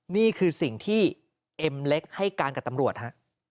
นี่คือสิ่งที่เอ็มเล็กให้การกับตำรวจฮะ